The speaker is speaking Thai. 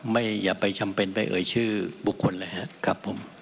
ไม่อยากไปจำเป็นไปเอ่ยชื่อบุคคลเลยครับผม